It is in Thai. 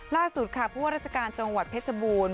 ล่าสุดค่ะผู้ว่าราชการจังหวัดเพชรบูรณ์